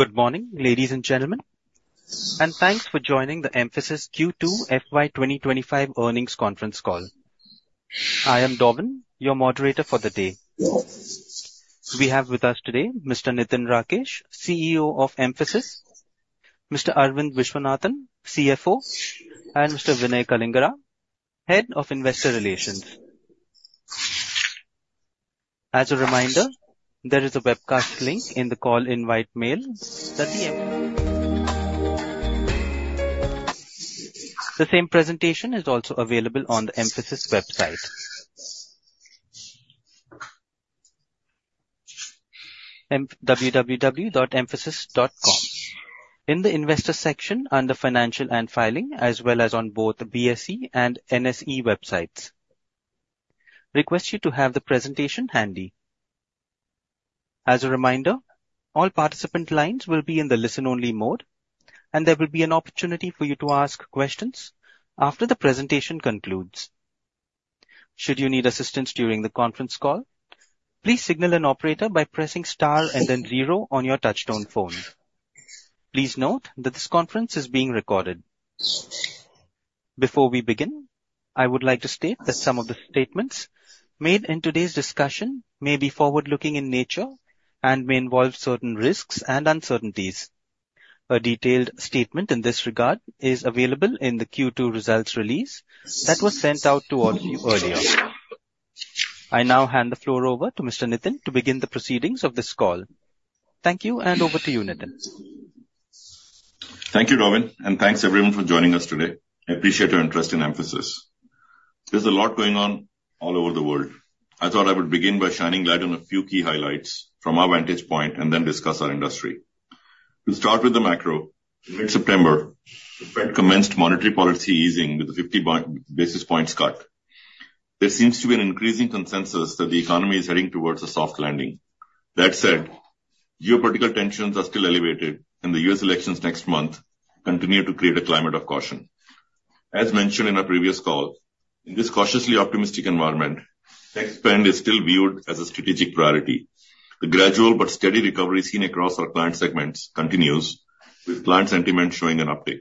Good morning, ladies and gentlemen, and thanks for joining the Mphasis Q2 FY 2025 Earnings Conference Call. I am Robin, your moderator for the day. We have with us today Mr. Nitin Rakesh, CEO of Mphasis; Mr. Aravind Viswanathan, CFO; and Mr. Vinay Kalingara, Head of Investor Relations. As a reminder, there is a webcast link in the call invite mail. The same presentation is also available on the Mphasis website. www.mphasis.com. In the investor section, under Financial and Filing, as well as on both the BSE and NSE websites. Request you to have the presentation handy. As a reminder, all participant lines will be in the listen-only mode, and there will be an opportunity for you to ask questions after the presentation concludes. Should you need assistance during the conference call, please signal an operator by pressing star and then zero on your touchtone phone. Please note that this conference is being recorded. Before we begin, I would like to state that some of the statements made in today's discussion may be forward-looking in nature and may involve certain risks and uncertainties. A detailed statement in this regard is available in the Q2 results release that was sent out to all of you earlier. I now hand the floor over to Mr. Nitin to begin the proceedings of this call. Thank you, and over to you, Nitin. Thank you, Robin, and thanks, everyone, for joining us today. I appreciate your interest in Mphasis. There's a lot going on all over the world. I thought I would begin by shedding light on a few key highlights from our vantage point and then discuss our industry. We'll start with the macro. In mid-September, the Fed commenced monetary policy easing with a fifty basis points cut. There seems to be an increasing consensus that the economy is heading towards a soft landing. That said, geopolitical tensions are still elevated, and the U.S. elections next month continue to create a climate of caution. As mentioned in our previous call, in this cautiously optimistic environment, tech spend is still viewed as a strategic priority. The gradual but steady recovery seen across our client segments continues, with client sentiment showing an uptick.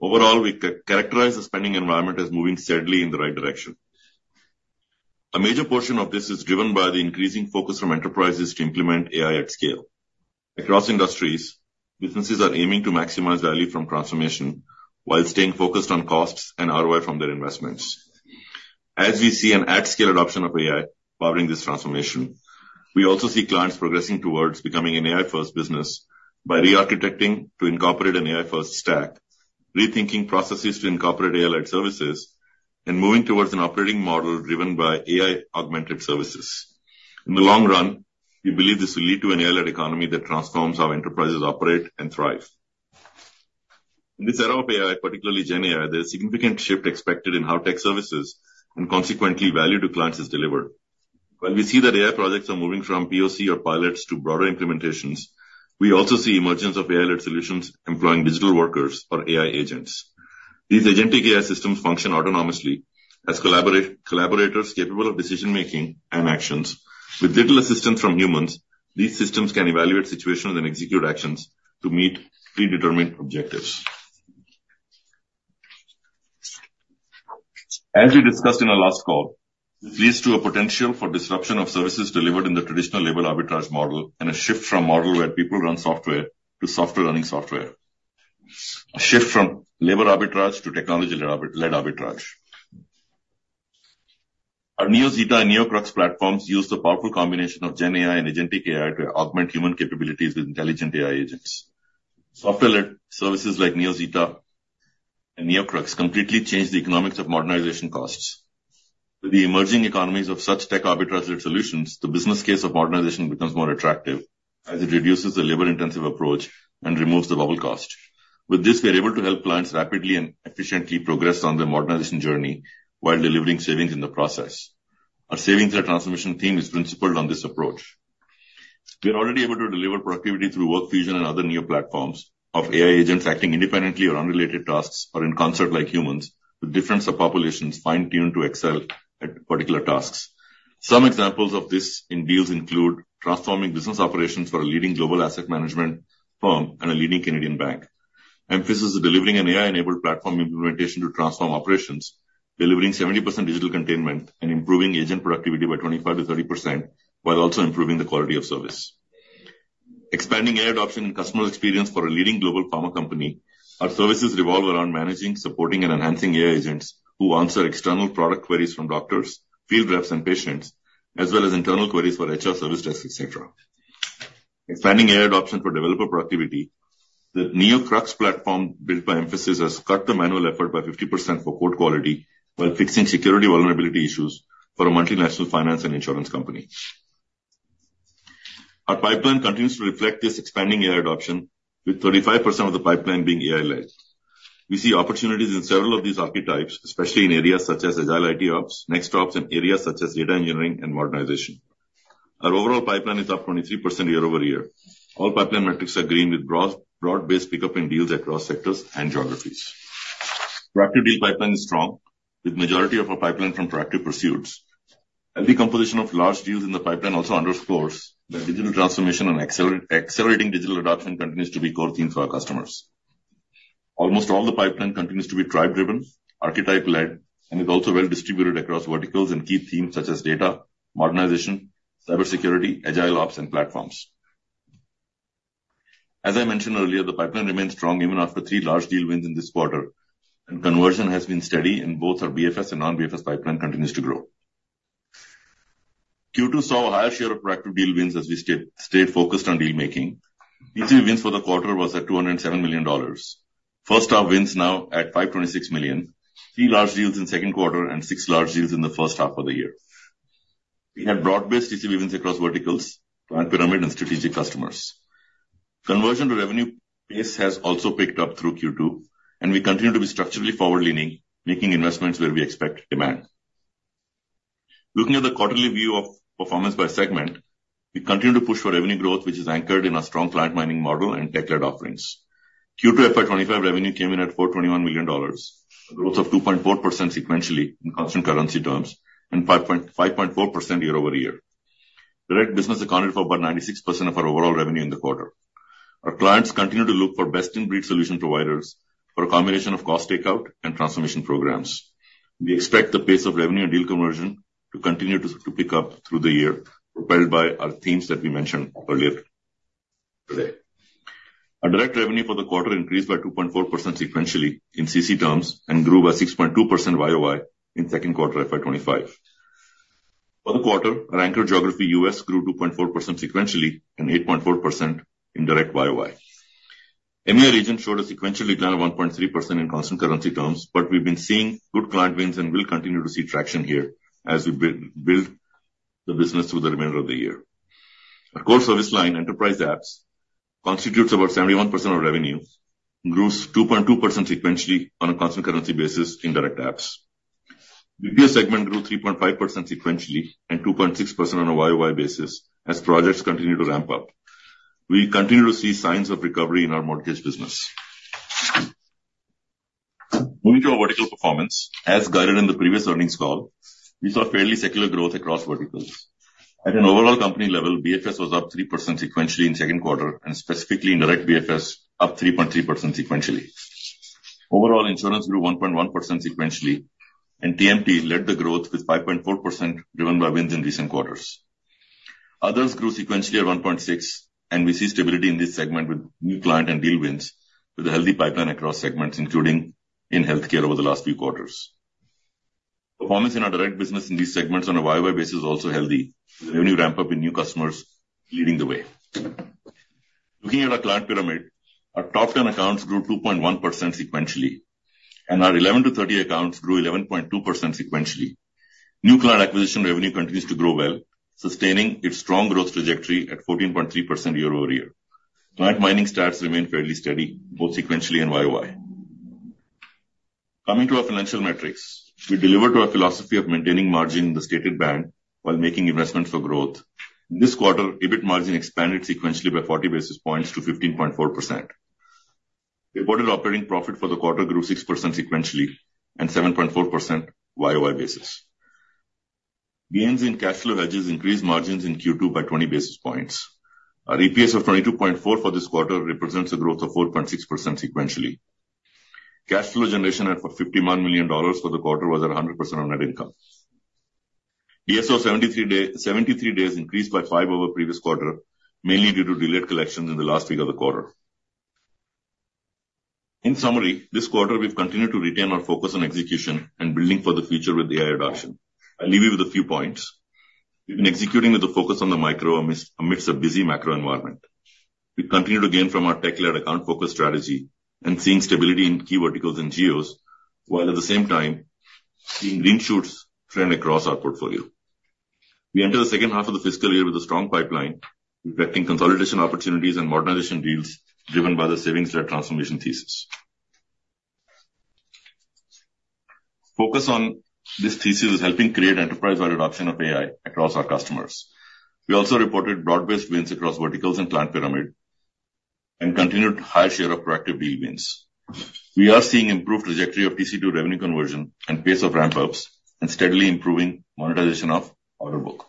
Overall, we characterize the spending environment as moving steadily in the right direction. A major portion of this is driven by the increasing focus from enterprises to implement AI at scale. Across industries, businesses are aiming to maximize value from transformation while staying focused on costs and ROI from their investments. As we see an at-scale adoption of AI powering this transformation, we also see clients progressing towards becoming an AI-first business by rearchitecting to incorporate an AI-first stack, rethinking processes to incorporate AI-led services, and moving towards an operating model driven by AI-augmented services. In the long run, we believe this will lead to an AI-led economy that transforms how enterprises operate and thrive. In this era of AI, particularly GenAI, there's significant shift expected in how tech services and consequently value to clients is delivered. While we see that AI projects are moving from POC or pilots to broader implementations, we also see emergence of AI-led solutions employing digital workers or AI agents. These agentic AI systems function autonomously as collaborators capable of decision-making and actions. With little assistance from humans, these systems can evaluate situations and execute actions to meet predetermined objectives. As we discussed in our last call, this leads to a potential for disruption of services delivered in the traditional labor arbitrage model and a shift from model where people run software to software-running software. A shift from labor arbitrage to technology-led arbitrage. Our NeoZeta and NeoCrux platforms use the powerful combination of GenAI and agentic AI to augment human capabilities with intelligent AI agents. Software-led services like NeoZeta and NeoCrux completely change the economics of modernization costs. With the emerging economies of such tech arbitrage-led solutions, the business case of modernization becomes more attractive as it reduces the labor-intensive approach and removes the bubble cost. With this, we are able to help clients rapidly and efficiently progress on their modernization journey while delivering savings in the process. Our savings and transformation theme is principled on this approach. We are already able to deliver productivity through WorkFusion and other Neo platforms of AI agents acting independently on unrelated tasks or in concert like humans, with different subpopulations fine-tuned to excel at particular tasks. Some examples of this in deals include transforming business operations for a leading global asset management firm and a leading Canadian bank. Mphasis is delivering an AI-enabled platform implementation to transform operations, delivering 70% digital containment and improving agent productivity by 25%-30%, while also improving the quality of service. Expanding AI adoption and customer experience for a leading global pharma company, our services revolve around managing, supporting, and enhancing AI agents who answer external product queries from doctors, field reps, and patients, as well as internal queries for HR service desk, et cetera. Expanding AI adoption for developer productivity, the NeoCrux platform, built by Mphasis, has cut the manual effort by 50% for code quality while fixing security vulnerability issues for a multinational finance and insurance company. Our pipeline continues to reflect this expanding AI adoption, with 35% of the pipeline being AI-led. We see opportunities in several of these archetypes, especially in areas such as agile IT Ops, NextOps, and areas such as data engineering and modernization. Our overall pipeline is up 23% year-over-year. All pipeline metrics are green, with broad, broad-based pick-up in deals across sectors and geographies. Proactive deal pipeline is strong, with majority of our pipeline from proactive pursuits. Healthy composition of large deals in the pipeline also underscores that digital transformation and accelerating digital adoption continues to be core theme for our customers. Almost all the pipeline continues to be driven, Archetype-led, and is also well distributed across verticals and key themes such as data, modernization, cybersecurity, agile ops, and platforms. As I mentioned earlier, the pipeline remains strong even after three large deal wins in this quarter, and conversion has been steady in both our BFS and non-BFS pipeline continues to grow. Q2 saw a higher share of proactive deal wins as we stayed focused on deal making. TCV wins for the quarter was at $207 million. First half wins now at $526 million. Three large deals in second quarter and six large deals in the first half of the year. We had broad-based TCV wins across verticals, client pyramid and strategic customers. Conversion to revenue pace has also picked up through Q2, and we continue to be structurally forward-leaning, making investments where we expect demand. Looking at the quarterly view of performance by segment, we continue to push for revenue growth, which is anchored in our strong client mining model and tech-led offerings. Q2 FY 2025 revenue came in at $421 million, a growth of 2.4% sequentially in constant currency terms and 5.4% year over year. Direct business accounted for about 96% of our overall revenue in the quarter. Our clients continue to look for best-in-breed solution providers for a combination of cost takeout and transformation programs. We expect the pace of revenue and deal conversion to continue to pick up through the year, propelled by our themes that we mentioned earlier today. Our Direct revenue for the quarter increased by 2.4% sequentially in CC terms, and grew by 6.2% YOY in second quarter FY 2025. For the quarter, our anchor geography, U.S., grew 2.4% sequentially and 8.4% in Direct YOY. EMEA region showed a sequential decline of 1.3% in constant currency terms, but we've been seeing good client wins and will continue to see traction here as we build the business through the remainder of the year. Our core service line, enterprise apps, constitutes about 71% of revenue, grows 2.2% sequentially on a constant currency basis in Direct apps. The BPS segment grew 3.5% sequentially and 2.6% on a YOY basis as projects continue to ramp up. We continue to see signs of recovery in our mortgage business. Moving to our vertical performance, as guided in the previous earnings call, we saw fairly secular growth across verticals. At an overall company level, BFS was up 3% sequentially in second quarter, and specifically in Direct BFS, up 3.3% sequentially. Overall, insurance grew 1.1% sequentially, and TMT led the growth with 5.4%, driven by wins in recent quarters. Others grew sequentially at 1.6%, and we see stability in this segment with new client and deal wins, with a healthy pipeline across segments, including in healthcare over the last few quarters. Performance in our direct business in these segments on a YOY basis is also healthy, with revenue ramp-up in new customers leading the way. Looking at our client pyramid, our top 10 accounts grew 2.1% sequentially, and our 11 to 30 accounts grew 11.2% sequentially. New client acquisition revenue continues to grow well, sustaining its strong growth trajectory at 14.3% year-over-year. Client mining stats remain fairly steady, both sequentially and YOY. Coming to our financial metrics, we deliver to our philosophy of maintaining margin in the stated band while making investments for growth. This quarter, EBIT margin expanded sequentially by 40 basis points to 15.4%. Reported operating profit for the quarter grew 6% sequentially and 7.4% YOY basis. Gains in cash flow hedges increased margins in Q2 by 20 basis points. Our EPS of 22.4 for this quarter represents a growth of 4.6% sequentially. Cash flow generation of $51 million for the quarter was at 100% on net income. DSO 73 days increased by 5 over previous quarter, mainly due to delayed collections in the last week of the quarter. In summary, this quarter, we've continued to retain our focus on execution and building for the future with AI adoption. I'll leave you with a few points. We've been executing with a focus on the micro amidst a busy macro environment. We continue to gain from our tech-led account focus strategy and seeing stability in key verticals and geos, while at the same time seeing green shoots trend across our portfolio. We enter the second half of the fiscal year with a strong pipeline, impacting consolidation opportunities and modernization deals driven by the savings-led transformation thesis. Focus on this thesis is helping create enterprise-wide adoption of AI across our customers. We also reported broad-based wins across verticals and client pyramid, and continued high share of proactive deal wins. We are seeing improved trajectory of TCV to revenue conversion and pace of ramp-ups, and steadily improving monetization of order book.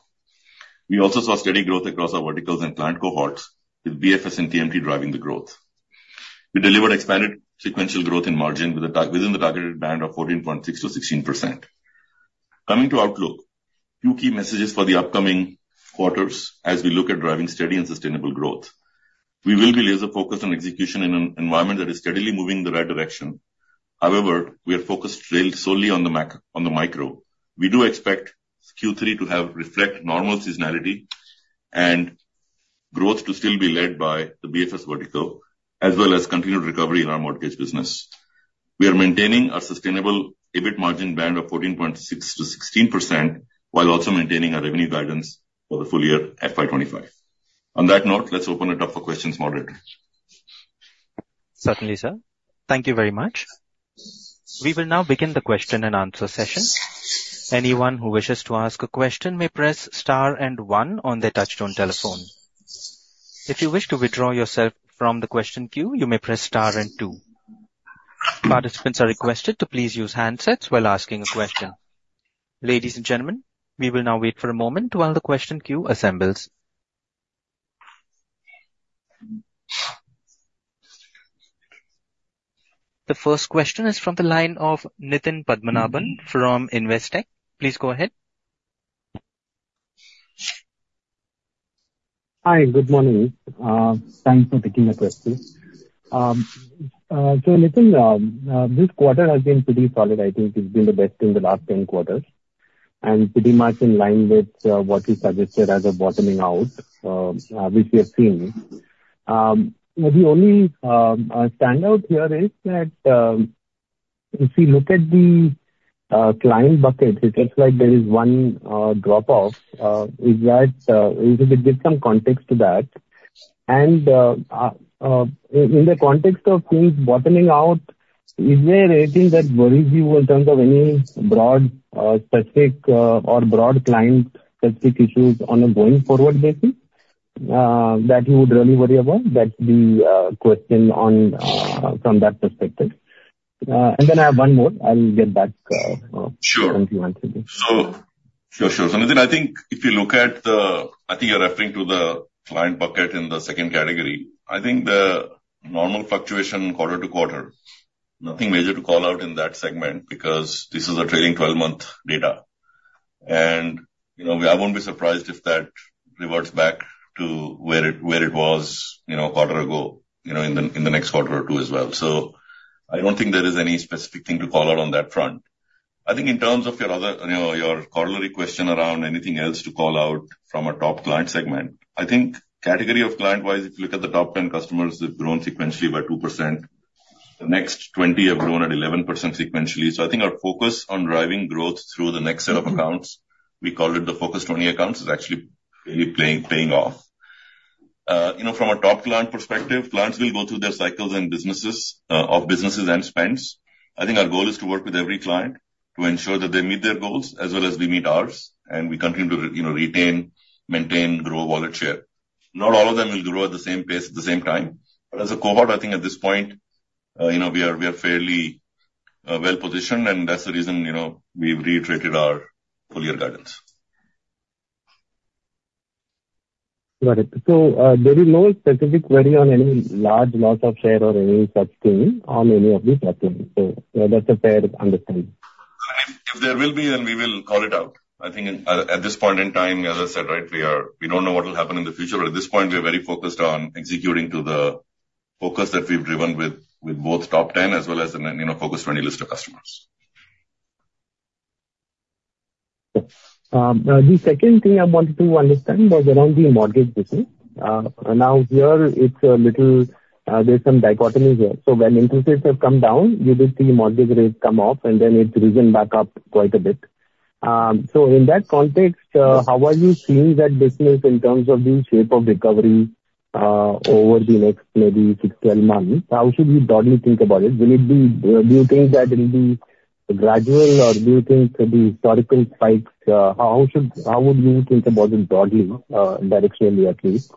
We also saw steady growth across our verticals and client cohorts, with BFS and TMT driving the growth. We delivered expanded sequential growth in margin within the targeted band of 14.6%-16%. Coming to outlook, two key messages for the upcoming quarters as we look at driving steady and sustainable growth. We will be laser-focused on execution in an environment that is steadily moving in the right direction. However, we are focused still solely on the micro. We do expect Q3 to reflect normal seasonality and growth to still be led by the BFS vertical, as well as continued recovery in our mortgage business. We are maintaining a sustainable EBIT margin band of 14.6%-16%, while also maintaining our revenue guidance for the full year FY 2025. On that note, let's open it up for questions, moderator. Certainly, sir. Thank you very much. We will now begin the Q&A session. Anyone who wishes to ask a question may press star and one on their touchtone telephone. ...If you wish to withdraw yourself from the question queue, you may press star and two. Participants are requested to please use handsets while asking a question. Ladies and gentlemen, we will now wait for a moment while the question queue assembles. The first question is from the line of Nitin Padmanabhan from Investec. Please go ahead. Hi, good morning. Thanks for taking the question. So Nitin, this quarter has been pretty solid. I think it's been the best in the last ten quarters, and pretty much in line with what you suggested as a bottoming out, which we have seen. The only standout here is that if you look at the client bucket, it looks like there is one drop off. Is that if you could give some context to that, and in the context of things bottoming out, is there anything that worries you in terms of any broad specific or broad client specific issues on a going forward basis that you would really worry about? That's the question, from that perspective, and then I have one more. I'll get that. Sure. If you want to. So, sure, sure. Nitin, I think if you look at the, I think you're referring to the client bucket in the second category. I think the normal fluctuation quarter to quarter, nothing major to call out in that segment, because this is a trailing 12-month data. You know, we, I won't be surprised if that reverts back to where it, where it was, you know, a quarter ago, you know, in the, in the next quarter or two as well. I don't think there is any specific thing to call out on that front. I think in terms of your other, you know, your corollary question around anything else to call out from a Top Client segment, I think category of client-wise, if you look at the top 10 customers, they've grown sequentially by 2%. The next 20 have grown at 11% sequentially. I think our focus on driving growth through the next set of accounts, we called it the focused twenty accounts, is actually really paying off. You know, from a top line perspective, clients will go through their cycles and businesses of businesses and spends. I think our goal is to work with every client to ensure that they meet their goals as well as we meet ours, and we continue to, you know, retain, maintain, grow wallet share. Not all of them will grow at the same pace at the same time. But as a cohort, I think at this point, you know, we are fairly well positioned, and that's the reason, you know, we've reiterated our full year guidance. Got it. So, there is no specific worry on any large loss of share or any such thing on any of these platforms. So that's a fair understanding. If there will be, then we will call it out. I think at this point in time, as I said, right, we are. We don't know what will happen in the future, but at this point, we are very focused on executing to the focus that we've driven with both top ten as well as the, you know, focus twenty list of customers. The second thing I wanted to understand was around the mortgage business. Now, here, it's a little, there's some dichotomy here. So when interest rates have come down, you did see mortgage rates come up, and then it's risen back up quite a bit. So in that context, how are you seeing that business in terms of the shape of recovery, over the next maybe six to twelve months? How should we broadly think about it? Will it be, do you think that it'll be gradual, or do you think there'll be historical spikes? How should, how would you think about it broadly, directionally, at least?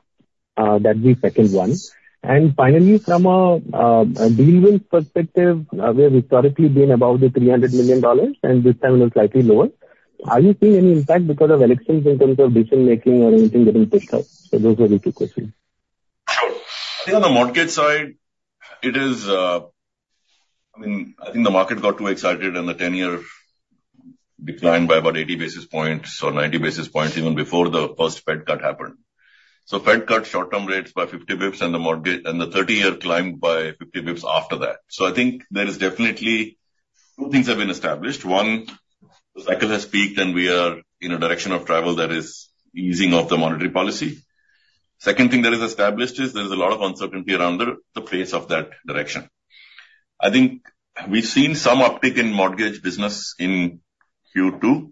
That's the second one. And finally, from a, a diligence perspective, we have historically been above $300 million, and this time we're slightly lower. Are you seeing any impact because of elections in terms of decision-making or anything getting pushed out? So those are the two questions. Sure. I think on the mortgage side, it is. I mean, I think the market got too excited and the ten-year declined by about eighty basis points or ninety basis points even before the first Fed cut happened. So Fed cut short-term rates by fifty basis points and the mortgage, and the thirty-year climbed by fifty basis points after that. So I think there is definitely two things have been established. One, the cycle has peaked and we are in a direction of travel that is easing off the monetary policy. Second thing that is established is there is a lot of uncertainty around the place of that direction. I think we've seen some uptick in mortgage business in Q2.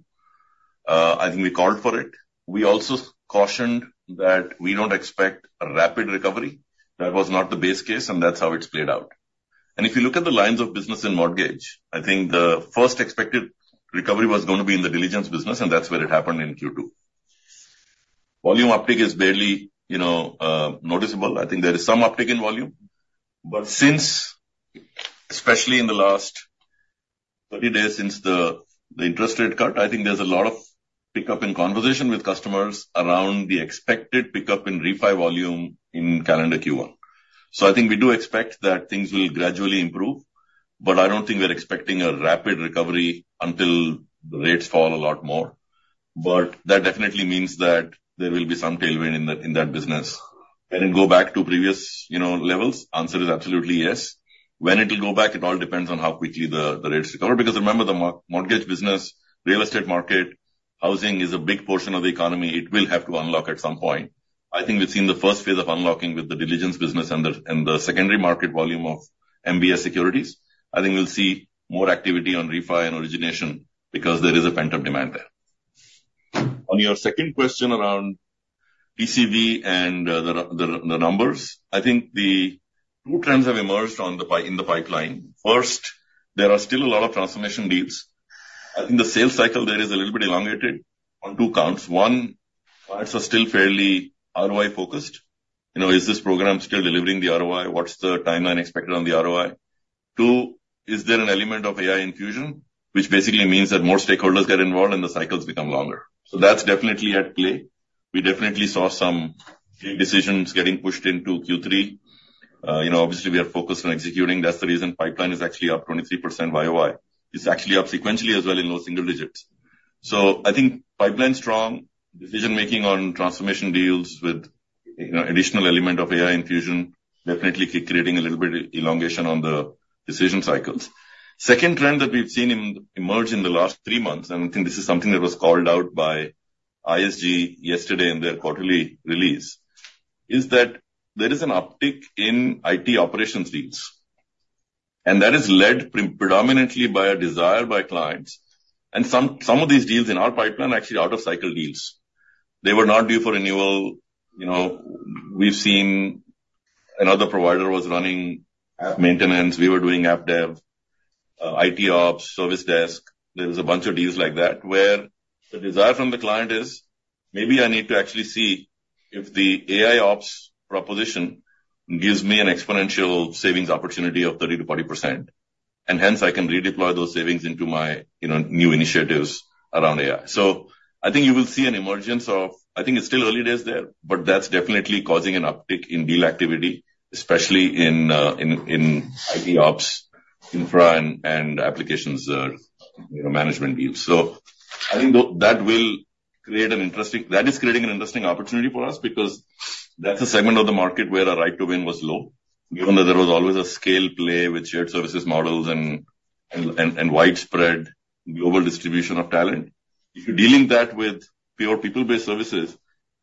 I think we called for it. We also cautioned that we don't expect a rapid recovery. That was not the base case, and that's how it's played out. And if you look at the lines of business in mortgage, I think the first expected recovery was going to be in the diligence business, and that's where it happened in Q2. Volume uptick is barely, you know, noticeable. I think there is some uptick in volume, but since, especially in the last thirty days, since the, the interest rate cut, I think there's a lot of pickup in conversation with customers around the expected pickup in refi volume in calendar Q1. So I think we do expect that things will gradually improve, but I don't think we're expecting a rapid recovery until the rates fall a lot more. But that definitely means that there will be some tailwind in that, in that business. And then go back to previous, you know, levels? Answer is absolutely yes. When it will go back, it all depends on how quickly the rates recover, because remember, the mortgage business, real estate market, housing is a big portion of the economy. It will have to unlock at some point. I think we've seen the first phase of unlocking with the diligence business and the secondary market volume of MBS securities. I think we'll see more activity on refi and origination because there is a pent-up demand there. On your second question around TCV and the numbers, I think two trends have emerged in the pipeline. First, there are still a lot of transformation deals. I think the sales cycle there is a little bit elongated on two counts. One, clients are still fairly ROI focused. You know, is this program still delivering the ROI? What's the timeline expected on the ROI? Two, is there an element of AI infusion, which basically means that more stakeholders get involved and the cycles become longer. So that's definitely at play. We definitely saw some decisions getting pushed into Q3. You know, obviously, we are focused on executing. That's the reason pipeline is actually up 23% YOY. It's actually up sequentially as well in low single digits. So I think pipeline's strong. Decision-making on transformation deals with, you know, additional element of AI infusion definitely creating a little bit of elongation on the decision cycles. Second trend that we've seen emerge in the last three months, and I think this is something that was called out by ISG yesterday in their quarterly release, is that there is an uptick in IT operations deals, and that is led predominantly by a desire by clients. Some of these deals in our pipeline are actually out-of-cycle deals. They were not due for renewal. You know, we've seen another provider was running app maintenance, we were doing app dev, IT Ops, service desk. There was a bunch of deals like that, where the desire from the client is, "Maybe I need to actually see if the AIOps proposition gives me an exponential savings opportunity of 30%-40%, and hence I can redeploy those savings into my, you know, new initiatives around AI." So I think you will see an emergence of... I think it's still early days there, but that's definitely causing an uptick in deal activity, especially in IT Ops, infra and applications, you know, management deals. So I think that is creating an interesting opportunity for us, because that's a segment of the market where our right to win was low, given that there was always a scale play with shared services models and widespread global distribution of talent. If you're dealing with pure people-based services,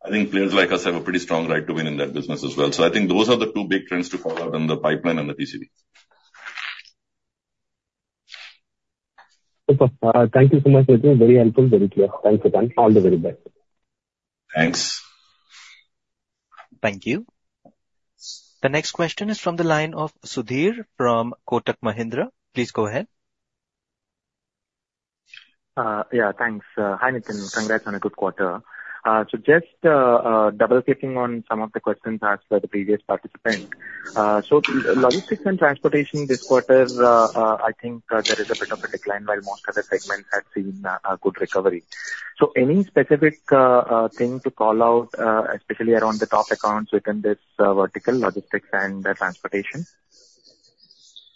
I think players like us have a pretty strong right to win in that business as well. So I think those are the two big trends to call out on the pipeline and the TCV. Super. Thank you so much, Nitin. Very helpful, very clear. Thanks again. All the very best. Thanks. Thank you. The next question is from the line of Sudheer from Kotak Mahindra. Please go ahead. Yeah, thanks. Hi, Nitin, congrats on a good quarter. So just double-clicking on some of the questions asked by the previous participant. So logistics and transportation this quarter, I think there is a bit of a decline, while most other segments have seen a good recovery. So any specific thing to call out, especially around the top accounts within this vertical, logistics and transportation?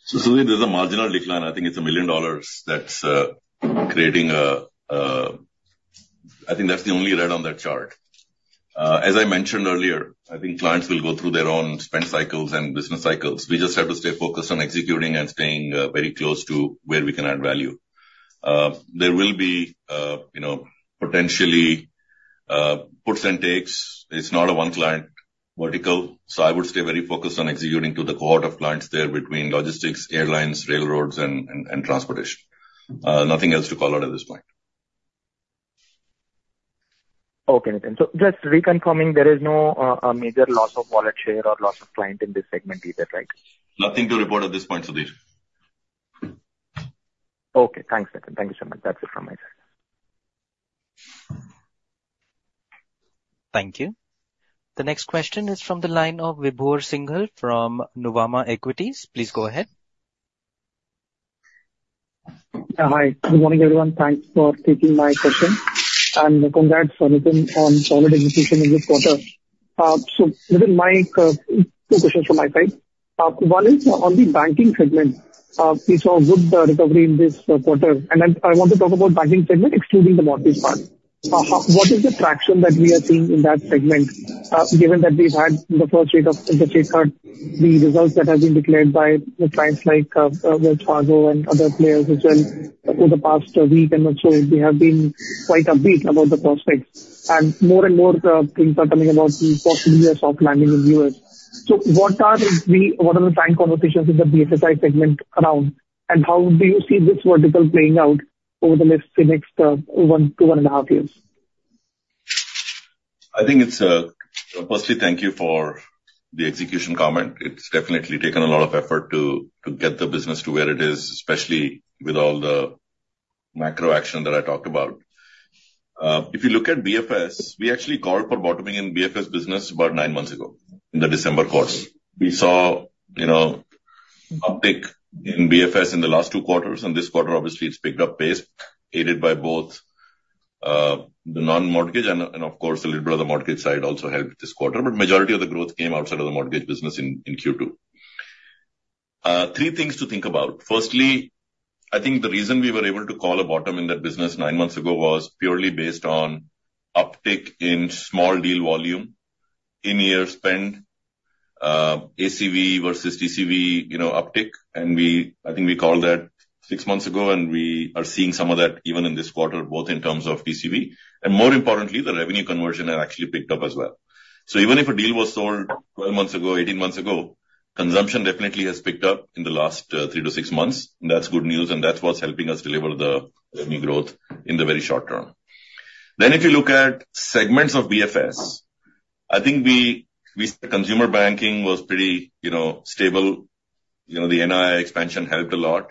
So Sudheer, there's a marginal decline. I think it's $1 million that's creating. I think that's the only red on that chart. As I mentioned earlier, I think clients will go through their own spend cycles and business cycles. We just have to stay focused on executing and staying very close to where we can add value. There will be, you know, potentially, puts and takes. It's not a one client vertical, so I would stay very focused on executing to the cohort of clients there between logistics, airlines, railroads, and transportation. Nothing else to call out at this point. Okay, Nitin. So just reconfirming, there is no a major loss of wallet share or loss of client in this segment either, right? Nothing to report at this point, Sudheer. Okay, thanks, Nitin. Thank you so much. That's it from my side. Thank you. The next question is from the line of Vibhor Singhal from Nuvama Equities. Please go ahead. Hi. Good morning, everyone. Thanks for taking my question, and congrats, Nitin, on solid execution in this quarter. So Nitin, my two questions from my side. One is on the banking segment. We saw good recovery in this quarter, and I want to talk about banking segment, excluding the mortgage part. What is the traction that we are seeing in that segment, given that we've had the first rate cut, the results that have been declared by the clients like Wells Fargo and other players as well? Over the past week or so, they have been quite upbeat about the prospects, and more and more things are coming about the possible soft landing in the U.S. What are the client conversations in the BFS segment around, and how do you see this vertical playing out over the next one to one and a half years? I think it's. Firstly, thank you for the execution comment. It's definitely taken a lot of effort to get the business to where it is, especially with all the macro action that I talked about. If you look at BFS, we actually called for bottoming in BFS business about nine months ago, in the December quarters. We saw, you know, uptick in BFS in the last two quarters, and this quarter, obviously, it's picked up pace, aided by both the non-mortgage and of course, a little bit of the mortgage side also helped this quarter, but majority of the growth came outside of the mortgage business in Q2. Three things to think about. Firstly, I think the reason we were able to call a bottom in that business nine months ago was purely based on uptick in small deal volume, in-year spend, ACV versus TCV, you know, uptick, and we—I think we called that six months ago, and we are seeing some of that even in this quarter, both in terms of TCV, and more importantly, the revenue conversion has actually picked up as well. So even if a deal was sold 12 months ago, 18 months ago, consumption definitely has picked up in the last, three to six months. And that's good news, and that's what's helping us deliver the new growth in the very short term. Then if you look at segments of BFS, I think we, we said consumer banking was pretty, you know, stable. You know, the NII expansion helped a lot,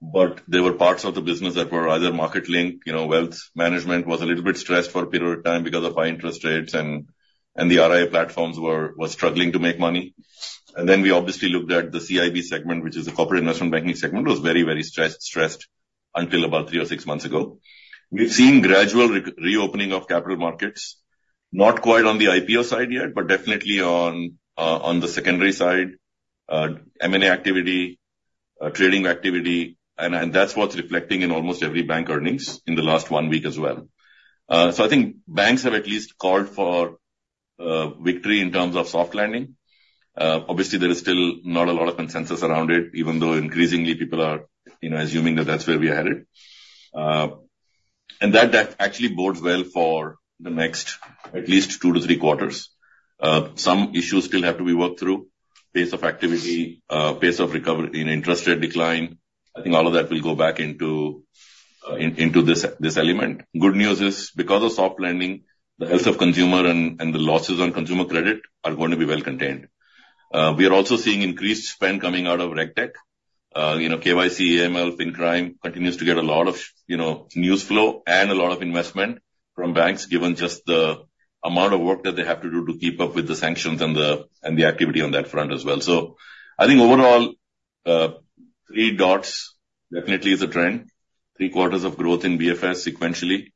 but there were parts of the business that were rather market linked. You know, wealth management was a little bit stressed for a period of time because of high interest rates, and the RIA platforms were struggling to make money. And then we obviously looked at the CIB segment, which is a corporate investment banking segment, was very stressed until about three or six months ago. We've seen gradual reopening of capital markets, not quite on the IPO side yet, but definitely on the secondary side, M&A activity, trading activity, and that's what's reflecting in almost every bank earnings in the last one week as well. So I think banks have at least called for victory in terms of soft landing. Obviously, there is still not a lot of consensus around it, even though increasingly people are, you know, assuming that that's where we are headed. And that actually bodes well for the next, at least two to three quarters. Some issues still have to be worked through. Pace of activity, pace of recovery in interest rate decline, I think all of that will go back into this element. Good news is, because of soft landing, the health of consumer and the losses on consumer credit are going to be well contained. We are also seeing increased spend coming out of RegTech. You know, KYC, AML, FinCrime, continues to get a lot of, you know, news flow and a lot of investment from banks, given just the amount of work that they have to do to keep up with the sanctions and the activity on that front as well. So I think overall, Fed dots definitely is a trend. Three quarters of growth in BFS sequentially,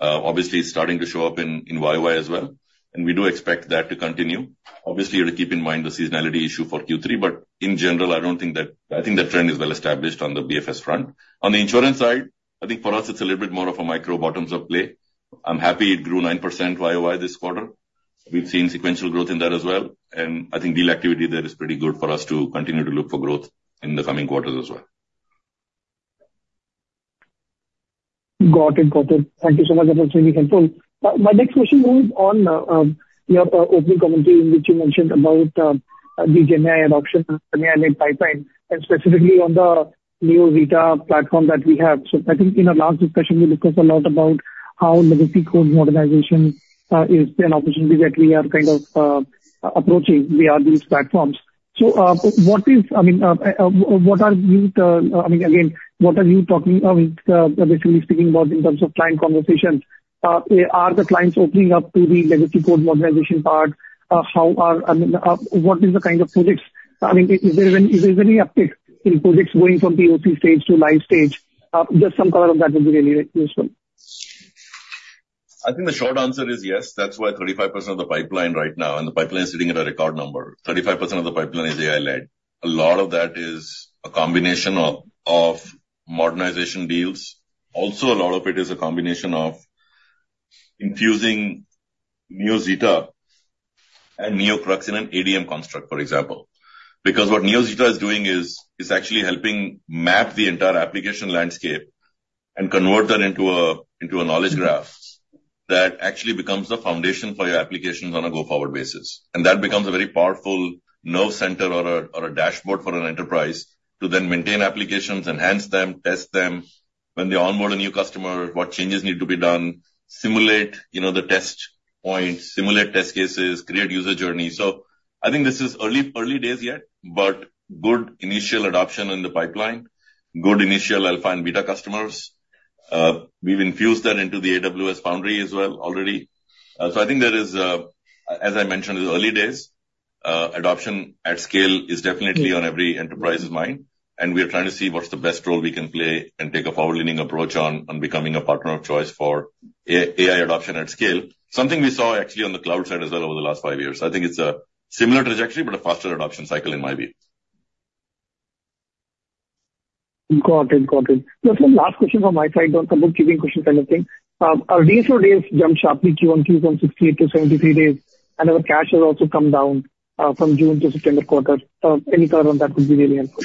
obviously is starting to show up in YOY as well, and we do expect that to continue. Obviously, you have to keep in mind the seasonality issue for Q3, but in general, I don't think that. I think that trend is well established on the BFS front. On the insurance side, I think for us it's a little bit more of a micro bottom-up play. I'm happy it grew 9% YOY this quarter. We've seen sequential growth in that as well, and I think deal activity there is pretty good for us to continue to look for growth in the coming quarters as well. Got it, got it. Thank you so much, that was really helpful. My next question moves on, your opening commentary, in which you mentioned about the GenAI adoption and AI-led pipeline, and specifically on the NeoZeta platform that we have. So I think in our last discussion, we discussed a lot about how legacy code modernization is an opportunity that we are kind of approaching via these platforms. So, what is - I mean, what are you, I mean, again, what are you talking, I mean, basically speaking about in terms of client conversations? Are the clients opening up to the legacy code modernization part? How are, I mean, what is the kind of projects? I mean, is there any uptick in projects going from POC stage to live stage? Just some color on that would be really useful. I think the short answer is yes. That's why 35% of the pipeline right now, and the pipeline is sitting at a record number. 35% of the pipeline is AI-led. A lot of that is a combination of modernization deals. Also, a lot of it is a combination of infusing NeoZeta and NeoCrux and ADM construct, for example. Because what NeoZeta is doing is actually helping map the entire application landscape and convert that into a knowledge graph that actually becomes the foundation for your applications on a go-forward basis. And that becomes a very powerful nerve center or a dashboard for an enterprise to then maintain applications, enhance them, test them. When they onboard a new customer, what changes need to be done, simulate, you know, the test points, simulate test cases, create user journeys. So I think this is early, early days yet, but good initial adoption in the pipeline, good initial alpha and beta customers. We've infused that into the AWS Foundry as well already. So I think there is, as I mentioned, in the early days, adoption at scale is definitely on every enterprise's mind, and we are trying to see what's the best role we can play and take a forward-leaning approach on becoming a partner of choice for AI adoption at scale. Something we saw actually on the cloud side as well over the last five years. I think it's a similar trajectory, but a faster adoption cycle in my view. Got it, got it. Just one last question from my side on a couple of housekeeping questions kind of thing. Our DSOs jumped sharply, Q1 from 68 to 73 days, and our cash has also come down from June to second quarter. Any color on that would be really helpful.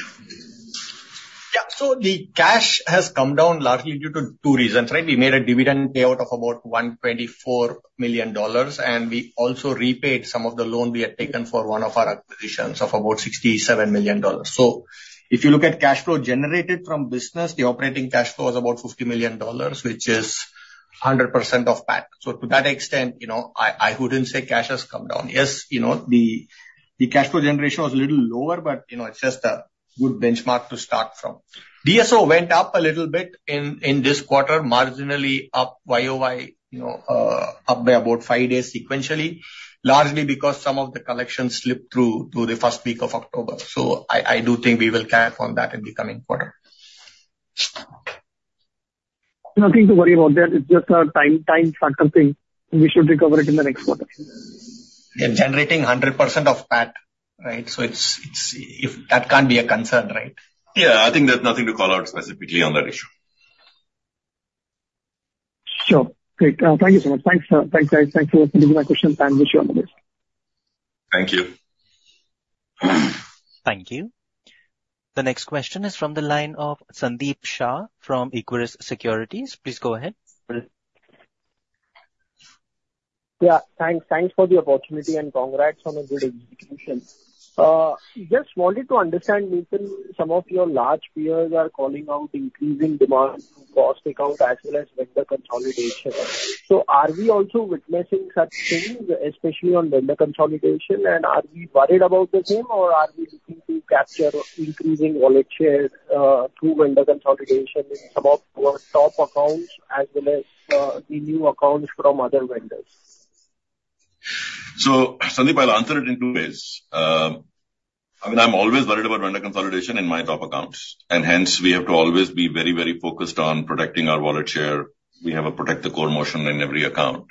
Yeah. So the cash has come down largely due to two reasons, right? We made a dividend payout of about $124 million, and we also repaid some of the loan we had taken for one of our acquisitions of about $67 million. So if you look at cash flow generated from business, the operating cash flow is about $50 million, which is 100% of PAT. So to that extent, you know, I wouldn't say cash has come down. Yes, you know, the cash flow generation was a little lower, but, you know, it's just a good benchmark to start from. DSO went up a little bit in this quarter, marginally up YOY, you know, up by about 5 days sequentially, largely because some of the collections slipped through to the first week of October. So I do think we will catch on that in the coming quarter. Nothing to worry about that. It's just a time, time cycle thing. We should recover it in the next quarter. They're generating 100% of PAT, right? So it's... That can't be a concern, right? Yeah. I think there's nothing to call out specifically on that issue. Sure. Great. Thank you so much. Thanks, thanks, guys. Thanks for taking my questions. I appreciate it. Thank you. Thank you. The next question is from the line of Sandeep Shah from Equirus Securities. Please go ahead.... Yeah, thanks. Thanks for the opportunity, and congrats on a good execution. Just wanted to understand, Nitin, some of your large peers are calling out increasing demand through cost takeout as well as vendor consolidation. So are we also witnessing such things, especially on vendor consolidation? And are we worried about the same, or are we looking to capture increasing wallet share through vendor consolidation in some of your top accounts as well as in new accounts from other vendors? So, Sandeep, I'll answer it in two ways. I mean, I'm always worried about vendor consolidation in my top accounts, and hence we have to always be very, very focused on protecting our wallet share. We have a protect the core motion in every account.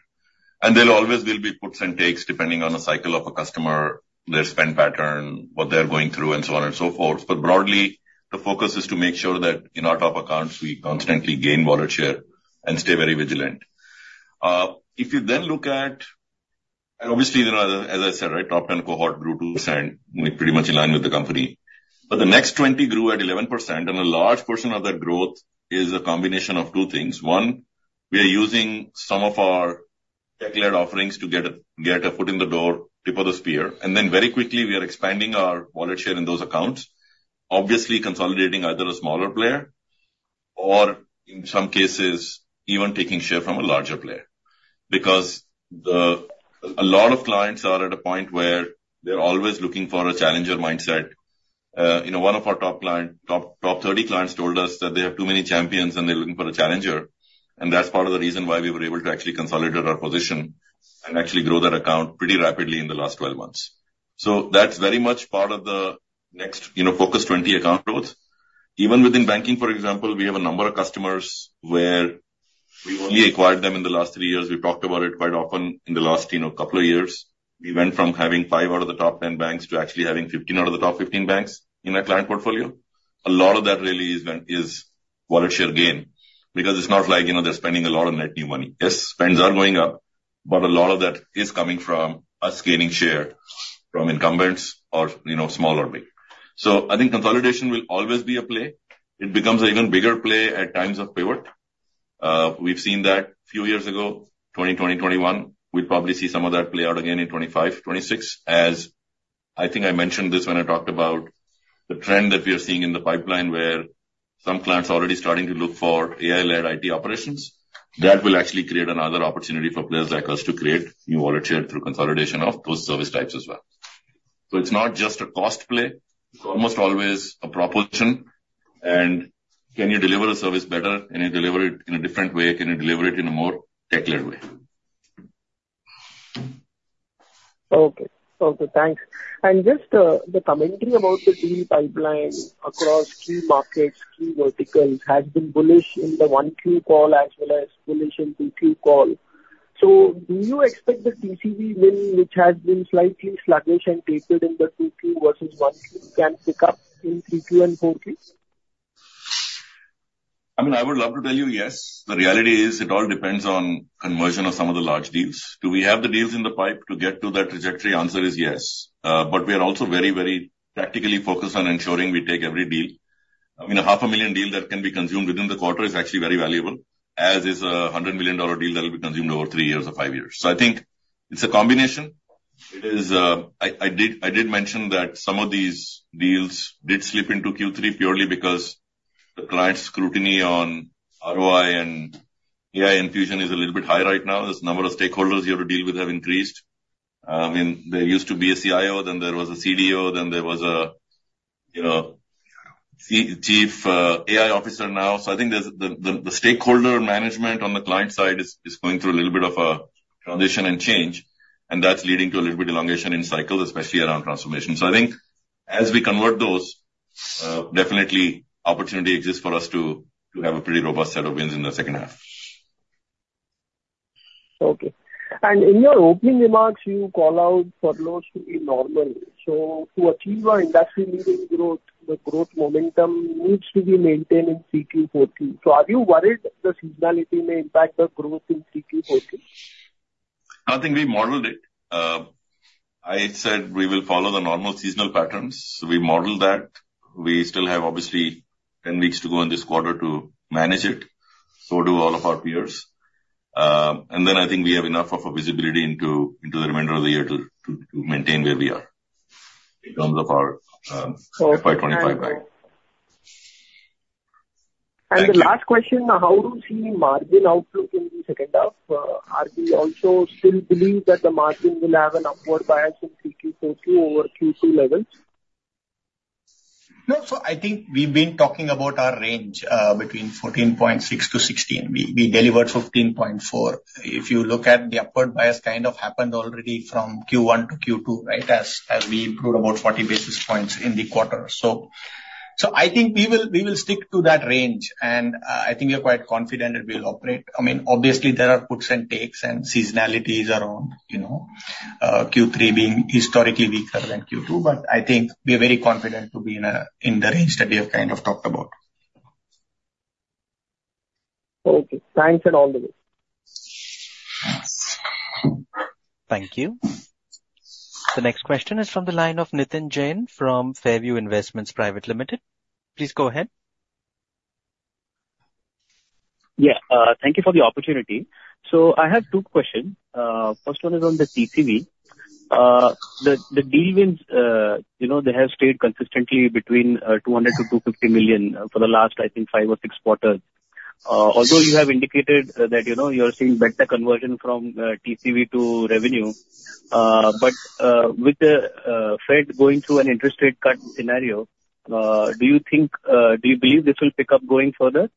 And there always will be puts and takes depending on the cycle of a customer, their spend pattern, what they're going through, and so on and so forth. But broadly, the focus is to make sure that in our top accounts, we constantly gain wallet share and stay very vigilant. If you then look at. And obviously, there are, as I said, right, top 10 cohort grew 2%, pretty much in line with the company. But the next 20 grew at 11%, and a large portion of that growth is a combination of two things. One, we are using some of our tech-led offerings to get a foot in the door, tip of the spear, and then very quickly we are expanding our wallet share in those accounts. Obviously, consolidating either a smaller player or in some cases, even taking share from a larger player. Because a lot of clients are at a point where they're always looking for a challenger mindset. You know, one of our top thirty clients told us that they have too many champions, and they're looking for a challenger, and that's part of the reason why we were able to actually consolidate our position and actually grow that account pretty rapidly in the last twelve months. So that's very much part of the next, you know, focus twenty account growth. Even within banking, for example, we have a number of customers where we've only acquired them in the last three years. We've talked about it quite often in the last, you know, couple of years. We went from having five out of the top 10 banks to actually having 15 out of the top 15 banks in our client portfolio. A lot of that really is when, is wallet share gain, because it's not like, you know, they're spending a lot of net new money. Yes, spends are going up, but a lot of that is coming from us gaining share from incumbents or, you know, small or big. So I think consolidation will always be a play. It becomes an even bigger play at times of pivot. We've seen that a few years ago, 2020, 2021. We'll probably see some of that play out again in 2025, 2026, as I think I mentioned this when I talked about the trend that we are seeing in the pipeline where some clients are already starting to look for AI-led IT operations. That will actually create another opportunity for players like us to create new wallet share through consolidation of those service types as well. So it's not just a cost play, it's almost always a proportion, and can you deliver a service better? Can you deliver it in a different way? Can you deliver it in a more tech-led way? Okay. Okay, thanks. And just, the commentary about the deal pipeline across key markets, key verticals, has been bullish in the one Q call as well as bullish in the two Q call. So do you expect the TCV win, which has been slightly sluggish and tapered in the two Q versus one Q, can pick up in three Q and four Q? I mean, I would love to tell you, yes. The reality is, it all depends on conversion of some of the large deals. Do we have the deals in the pipe to get to that trajectory? Answer is yes. But we are also very, very practically focused on ensuring we take every deal. I mean, a $500,000 deal that can be consumed within the quarter is actually very valuable, as is a $100 million deal that will be consumed over three years or five years. So I think it's a combination. It is, I did mention that some of these deals did slip into Q3 purely because the client scrutiny on ROI and AI infusion is a little bit high right now. There's a number of stakeholders you have to deal with have increased. I mean, there used to be a CIO, then there was a CDO, then there was a, you know, chief AI officer now. So I think there's the stakeholder management on the client side is going through a little bit of a transition and change, and that's leading to a little bit elongation in cycles, especially around transformation. So I think as we convert those, definitely opportunity exists for us to have a pretty robust set of wins in the second half. Okay. And in your opening remarks, you call out furloughs to be normal. So to achieve our industry leading growth, the growth momentum needs to be maintained in three Q, four Q. So are you worried that the seasonality may impact the growth in three Q, four Q? I think we modeled it. I said we will follow the normal seasonal patterns. We modeled that. We still have, obviously, 10 weeks to go in this quarter to manage it, so do all of our peers, and then I think we have enough of a visibility into the remainder of the year to maintain where we are in terms of our FY 2025 guide. And the last question, how do you see margin outlook in the second half? Are we also still believe that the margin will have an upward bias in Q3, Q4, to Q2 levels? No. So I think we've been talking about our range between 14.6% to 16%. We delivered 15.4%. If you look at the upward bias, kind of happened already from Q1 to Q2, right? As we improved about 40 basis points in the quarter. So I think we will stick to that range, and I think we are quite confident that we'll operate. I mean, obviously, there are puts and takes and seasonalities around, you know, Q3 being historically weaker than Q2, but I think we are very confident to be in the range that we have kind of talked about. Okay. Thanks and all the best. Thank you. The next question is from the line of Nitin Jain, from Fairview Investments Private Limited. Please go ahead.... Yeah, thank you for the opportunity. So I have two questions. First one is on the TCV. The deal wins, you know, they have stayed consistently between $200-$250 million for the last, I think, five or six quarters. Although you have indicated that, you know, you are seeing better conversion from TCV to revenue, but with the Fed going through an interest rate cut scenario, do you think, do you believe this will pick up going further?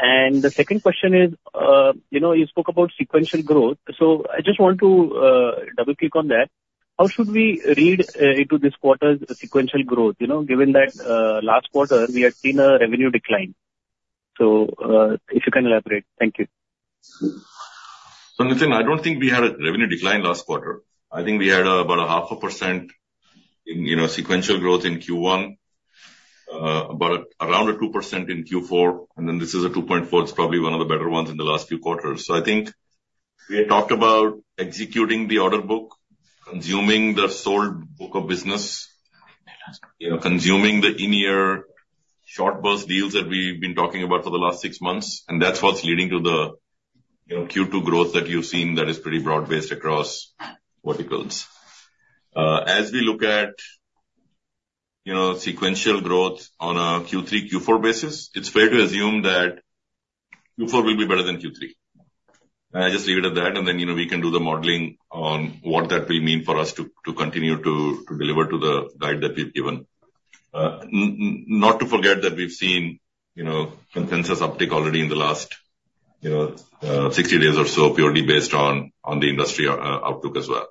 And the second question is, you know, you spoke about sequential growth, so I just want to double-click on that. How should we read into this quarter's sequential growth? You know, given that last quarter we had seen a revenue decline. So, if you can elaborate. Thank you. Nitin, I don't think we had a revenue decline last quarter. I think we had about 0.5% in, you know, sequential growth in Q1, about around 2% in Q4, and then this is 2.4%. It's probably one of the better ones in the last few quarters. I think we had talked about executing the order book, consuming the sold book of business, you know, consuming the in-year short burst deals that we've been talking about for the last six months, and that's what's leading to the, you know, Q2 growth that you've seen that is pretty broad-based across verticals. As we look at, you know, sequential growth on a Q3, Q4 basis, it's fair to assume that Q4 will be better than Q3. I just leave it at that, and then, you know, we can do the modeling on what that will mean for us to continue to deliver to the guide that we've given. Not to forget that we've seen, you know, consensus uptick already in the last, you know, 60 days or so, purely based on the industry outlook as well.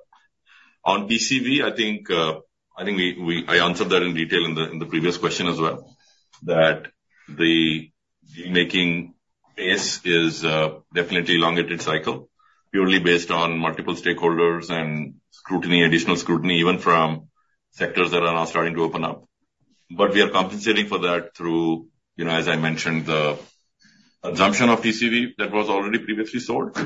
On TCV, I think we answered that in detail in the previous question as well, that the deal-making pace is definitely elongated cycle, purely based on multiple stakeholders and scrutiny, additional scrutiny, even from sectors that are now starting to open up. But we are compensating for that through, you know, as I mentioned, the assumption of TCV that was already previously sold,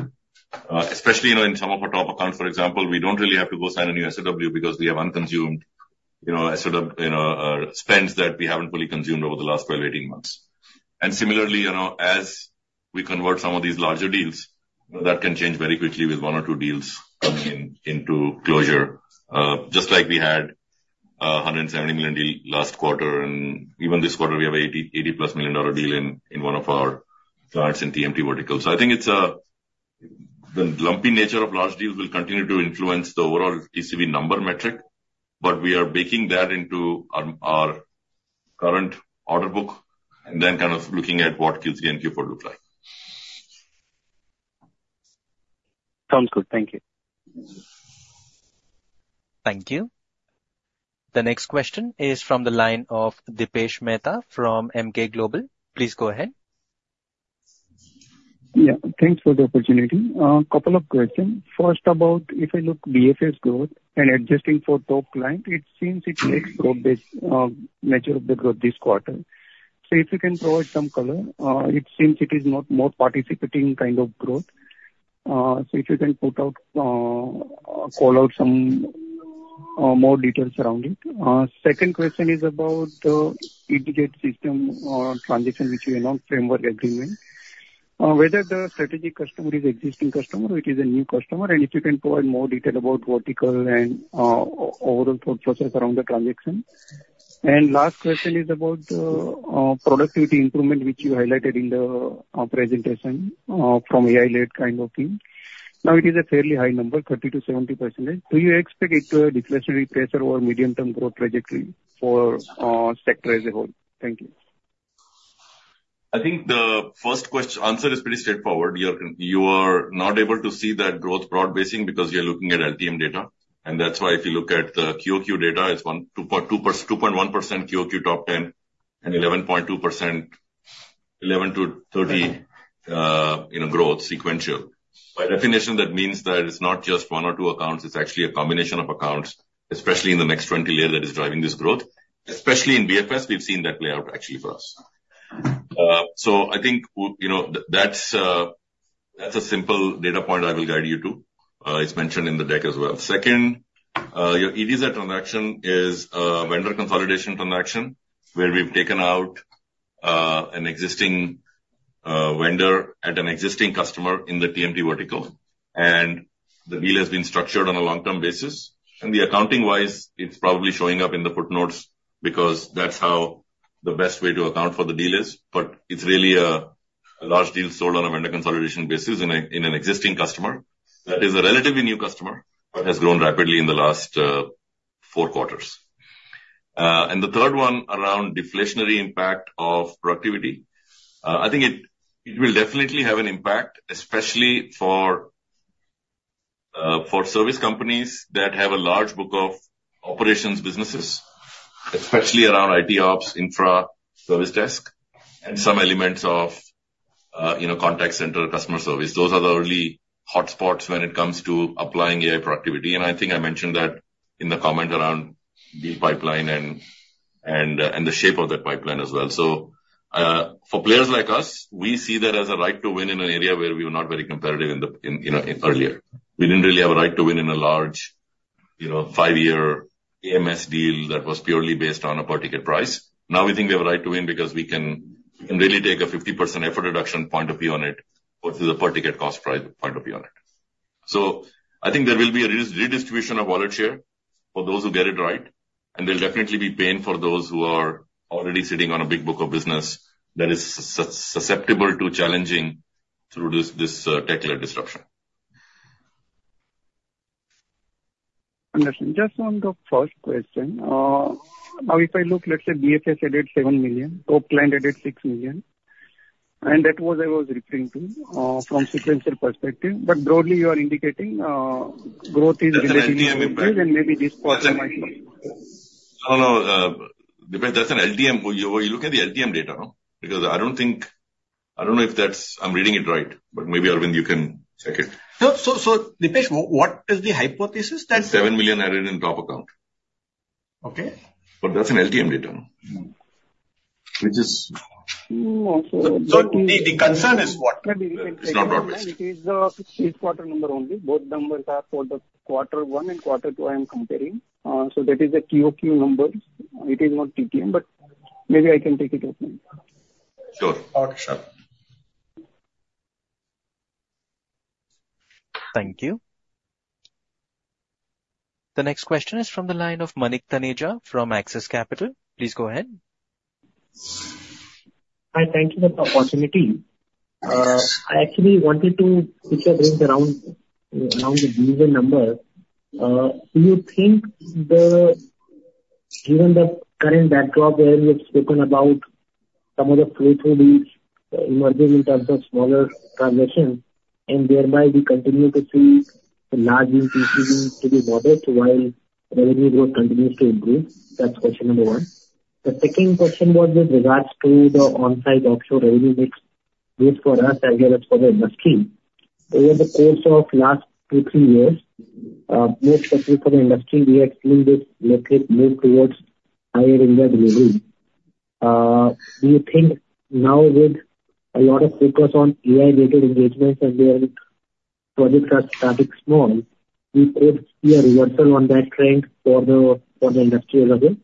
especially, you know, in some of our top accounts, for example, we don't really have to go sign a new SOW because we have unconsumed, you know, sort of, you know, spends that we haven't fully consumed over the last 12, 18 months. And similarly, you know, as we convert some of these larger deals, that can change very quickly with one or two deals coming in into closure. Just like we had a $170 million deal last quarter, and even this quarter, we have 80-plus million dollar deal in one of our charts in TMT vertical. So I think it's a... The lumpy nature of large deals will continue to influence the overall TCV number metric, but we are baking that into our current order book and then kind of looking at what Q3 and Q4 look like. Sounds good. Thank you. Thank you. The next question is from the line of Dipesh Mehta from Emkay Global. Please go ahead. Yeah, thanks for the opportunity. Couple of questions. First, about if I look at BFS growth and adjusting for top line, it seems it masks growth this measure of the growth this quarter. So if you can provide some color, it seems it is not more participating kind of growth. So if you can point out, call out some more details around it. Second question is about the integrated system transition, which you announced framework agreement. Whether the strategic customer is existing customer or it is a new customer, and if you can provide more detail about vertical and overall thought process around the transaction. Last question is about productivity improvement, which you highlighted in the presentation from AI-led kind of team. Now, it is a fairly high number, 30%-70%. Do you expect it to deflationary pressure or medium-term growth trajectory for sector as a whole? Thank you. I think the first question-answer is pretty straightforward. You are not able to see that growth broad-basing because you're looking at LTM data, and that's why if you look at the QoQ data, it's 1.2%, 2.2%, 2.1% QoQ top ten and 11.2%, 11-30, you know, growth sequential. By definition, that means that it's not just one or two accounts, it's actually a combination of accounts, especially in the next twenty layer that is driving this growth. Especially in BFS, we've seen that play out actually for us. So I think you know, that's a simple data point I will guide you to. It's mentioned in the deck as well. Second, your EDC transaction is a vendor consolidation transaction where we've taken out an existing vendor at an existing customer in the TMT vertical, and the deal has been structured on a long-term basis. And the accounting-wise, it's probably showing up in the footnotes because that's how the best way to account for the deal is. But it's really a large deal sold on a vendor consolidation basis in an existing customer. That is a relatively new customer, but has grown rapidly in the last four quarters. And the third one around deflationary impact of productivity. I think it will definitely have an impact, especially for service companies that have a large book of operations businesses, especially around IT Ops, infra, service desk, and some elements of you know, contact center, customer service. Those are the early hotspots when it comes to applying AI productivity, and I think I mentioned that in the comment around deal pipeline and the shape of that pipeline as well. So, for players like us, we see that as a right to win in an area where we were not very competitive in the you know earlier. We didn't really have a right to win in a large- you know five-year AMS deal that was purely based on a per-ticket price. Now we think we have a right to win because we can really take a 50% effort reduction point of view on it or through the per-ticket cost price point of view on it. So I think there will be a redistribution of wallet share for those who get it right, and there'll definitely be pain for those who are already sitting on a big book of business that is susceptible to challenging through this tech-led disruption. Understood. Just on the first question, now, if I look, let's say, BFS added $7 million, top client added $6 million, and that was, I was referring to, from sequential perspective. But broadly, you are indicating, growth is- That's an LTM- And maybe this quarter might be. No, no, Dipesh, that's an LTM. You look at the LTM data, no? Because I don't think, I don't know if that's... I'm reading it right, but maybe, Aravind, you can check it. So, Dipesh, what is the hypothesis that- Seven million added in top account. Okay. But that's an LTM data. Which is- Mm, so- So the concern is what? It's not broad-based. It is the each quarter number only. Both numbers are for the quarter one and quarter two, I am comparing. So that is the QoQ numbers. It is not TTM, but maybe I can take it up then. Sure. Got it. Sure. Thank you. The next question is from the line of Manik Taneja from Axis Capital. Please go ahead. Hi, thank you for the opportunity. I actually wanted to pick your brains around, around the deal number. Do you think, given the current backdrop where you have spoken about some of the play through these, emerging in terms of smaller transactions, and thereby we continue to see the large TCV to be volatile while revenue growth continues to improve? That's question number one. The second question was with regards to the on-site offshore revenue mix, both for us and the rest for the industry. Over the course of last two, three years, more specifically for the industry, we have seen this lately move towards higher India revenue. Do you think now with a lot of focus on AI-related engagements and their projects are starting small, we could see a reversal on that trend for the, for the industry as well?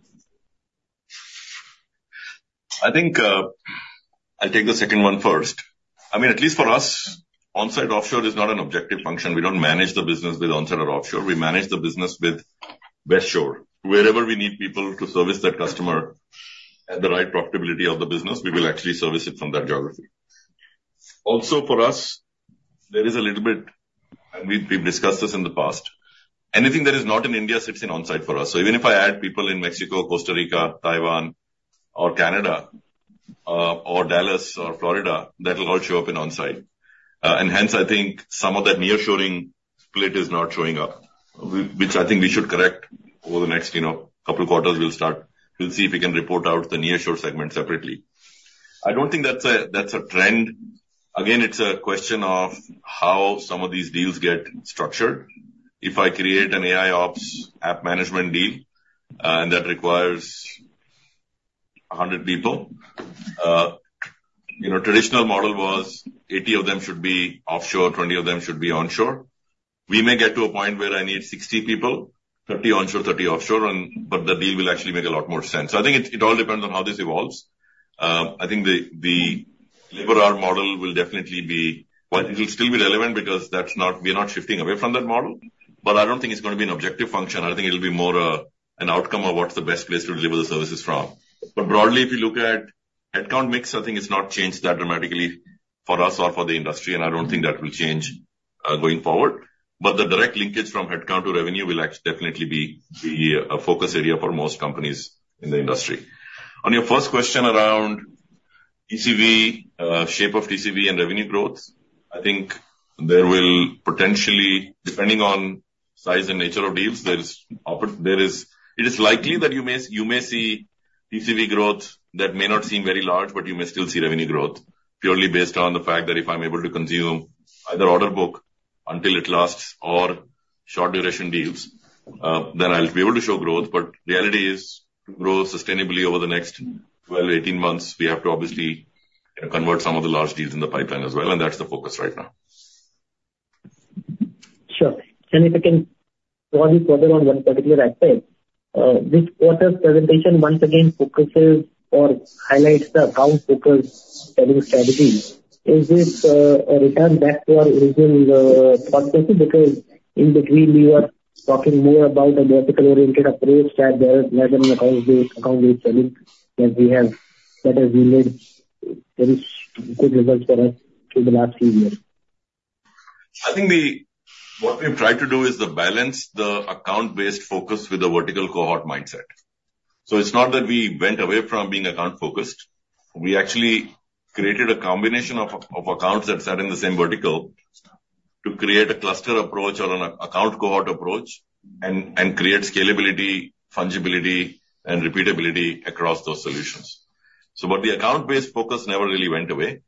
I think, I'll take the second one first. I mean, at least for us, on-site, offshore is not an objective function. We don't manage the business with on-site or offshore. We manage the business with Best Shore. Wherever we need people to service that customer at the right profitability of the business, we will actually service it from that geography. Also, for us, there is a little bit, and we've discussed this in the past, anything that is not in India, sits in on-site for us. So even if I add people in Mexico, Costa Rica, Taiwan or Canada, or Dallas or Florida, that will all show up in on-site. And hence, I think some of that nearshoring split is not showing up, which I think we should correct over the next, you know, couple of quarters, we'll start. We'll see if we can report out the nearshore segment separately. I don't think that's a trend. Again, it's a question of how some of these deals get structured. If I create an AIOps app management deal, and that requires 100 people, you know, traditional model was 80 of them should be offshore, 20 of them should be onshore. We may get to a point where I need 60 people, 30 onshore, 30 offshore, and but the deal will actually make a lot more sense. So I think it all depends on how this evolves. I think the labor hour model will definitely be. Well, it will still be relevant because that's not. We are not shifting away from that model, but I don't think it's going to be an objective function. I think it'll be more, an outcome of what's the best place to deliver the services from. But broadly, if you look at headcount mix, I think it's not changed that dramatically for us or for the industry, and I don't think that will change, going forward. But the direct linkage from headcount to revenue will actually definitely be a focus area for most companies in the industry. On your first question around TCV, shape of TCV and revenue growth, I think there will potentially, depending on size and nature of deals, it is likely that you may, you may see TCV growth that may not seem very large, but you may still see revenue growth purely based on the fact that if I'm able to consume either order book until it lasts or short-duration deals, then I'll be able to show growth. But reality is, to grow sustainably over the next 12-18 months, we have to obviously, you know, convert some of the large deals in the pipeline as well, and that's the focus right now. Sure. And if I can pause this further on one particular aspect. This quarter's presentation once again focuses or highlights the account-focused selling strategy. Is this a return back to our original strategy? Because in between, we were talking more about a vertical-oriented approach that the account-based selling that we have has yielded very good results for us through the last few years. I think what we've tried to do is to balance the account-based focus with the vertical cohort mindset. So it's not that we went away from being account-focused. We actually created a combination of accounts that sat in the same vertical to create a cluster approach or an account cohort approach and create scalability, fungibility, and repeatability across those solutions. So but the account-based focus never really went away.